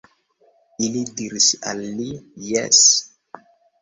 Ili diris al li: Jes.